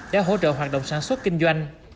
đã hỗ trợ hoạt động sản xuất kinh doanh